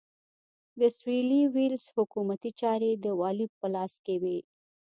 د سوېلي ویلز حکومتي چارې د والي په لاس کې وې.